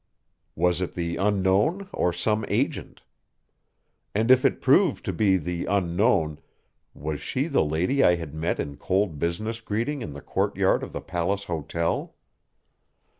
Was it the Unknown or some agent? And if it proved to be the Unknown, was she the lady I had met in cold business greeting in the courtyard of the Palace Hotel?